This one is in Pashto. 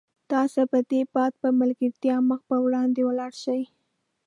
تاسي به د باد په ملګرتیا مخ په وړاندې ولاړ شئ.